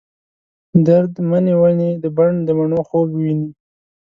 درد منې ونې د بڼ ، دمڼو خوب وویني